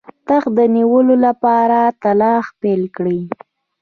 تخت د نیولو لپاره تلاښ پیل کړ.